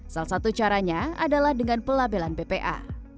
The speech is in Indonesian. salah satu caranya adalah dengan pelabelan bpa